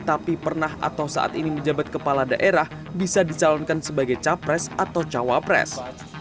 tapi pernah atau saat ini menjabat kepala daerah bisa dicalonkan sebagai capres atau cawapres